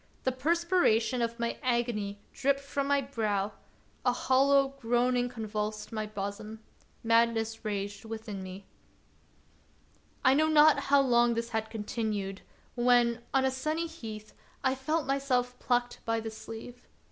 The perspiration of my agony dropped from my brow; a hollow groaning convulsed my bosom; madness raged within me. of Peter SchlemiJiL 57 I know not how long this had continued, when, on a sunny heath, I felt myself plucked by the sleeve.